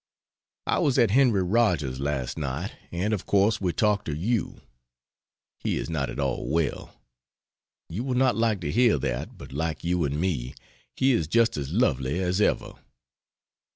I was at Henry Rogers's last night, and of course we talked of you. He is not at all well; you will not like to hear that; but like you and me, he is just as lovely as ever.